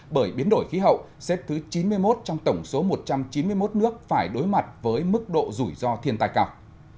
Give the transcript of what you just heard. bởi biến đổi khí hậu xếp thứ chín mươi một trong tổng số một trăm chín mươi một nước phải đối mặt với mức độ rủi ro thiên tai cao